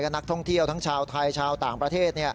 นักท่องเที่ยวทั้งชาวไทยชาวต่างประเทศ